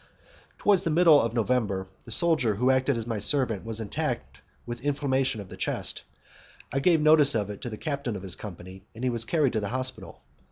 Towards the middle of November, the soldier who acted as my servant was attacked with inflammation of the chest; I gave notice of it to the captain of his company, and he was carried to the hospital.